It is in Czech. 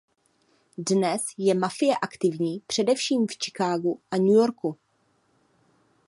Dnes je mafie aktivní především v Chicagu a New Yorku.